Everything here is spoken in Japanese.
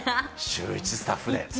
シューイチスタッフで。